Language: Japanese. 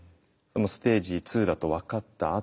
でもステージ２だと分かった